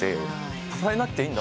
支えなくていいんだ。